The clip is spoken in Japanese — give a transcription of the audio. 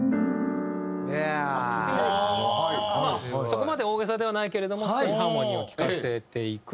そこまで大げさではないけれども少しハーモニーを利かせていく。